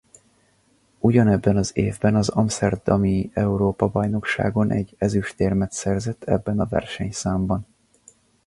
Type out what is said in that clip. Ugyanebben az évben az amszterdami Európa-bajnokságon egy ezüstérmet szerzett ebben a versenyszámban.